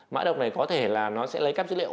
má độc này có thể là nó sẽ lấy các dữ liệu